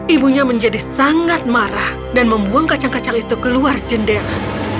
ibunya menjadi sangat marah dan membuang kacang kacang itu keluar jendela